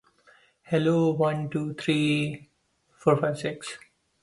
Loughborough Dynamo Football Club is a football club based in Loughborough, Leicestershire, England.